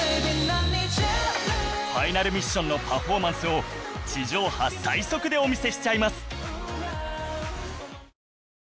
ファイナルミッションのパフォーマンスを地上波最速でお見せしちゃいます